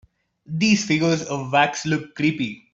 These figures of wax look creepy.